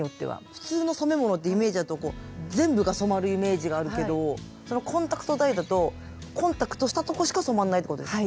普通の染め物ってイメージだと全部が染まるイメージがあるけどコンタクトダイだとコンタクトしたとこしか染まんないってことですか？